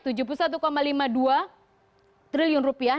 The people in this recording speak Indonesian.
tujuh puluh satu lima puluh dua triliun rupiah